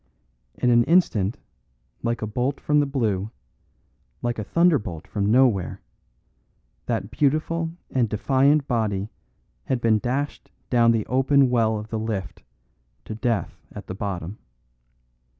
In an instant like a bolt from the blue, like a thunderbolt from nowhere, that beautiful and defiant body had been dashed down the open well of the lift to death at the bottom.